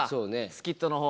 スキットの方。